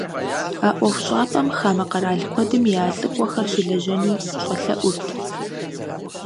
А ӏуэхущӏапӏэм хамэ къэрал куэдым я лӀыкӀуэхэр щылэжьэну щӀэлъэӀурт.